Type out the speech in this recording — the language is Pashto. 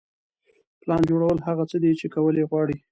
پلان جوړول هغه څه دي چې کول یې غواړئ.